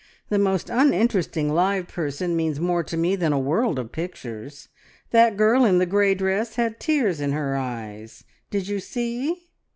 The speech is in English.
The most uninteresting live person means more to me than a world of pictures. That girl in the grey dress had tears in her eyes. ... Did you see?